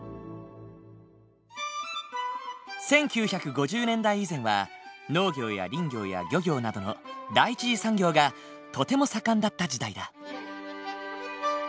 １９５０年代以前は農業や林業や漁業などの第一次産業がとても盛んだった時代だ。